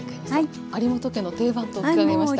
有元家の定番と伺いましたが。